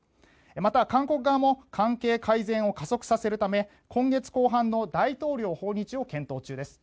また、韓国側も関係改善を加速させるため今月後半の大統領訪日を検討中です。